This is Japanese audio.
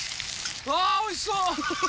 うわおいしそう！